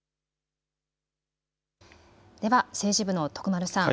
では政治部の徳丸さん。